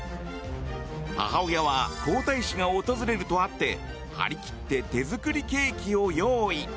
母親は皇太子が訪れるとあって張り切って手作りケーキを用意。